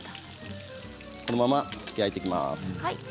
このまま焼いていきます。